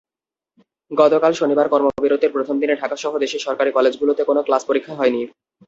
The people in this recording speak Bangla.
গতকাল শনিবার কর্মবিরতির প্রথম দিনে ঢাকাসহ দেশের সরকারি কলেজগুলোতে কোনো ক্লাস-পরীক্ষা হয়নি।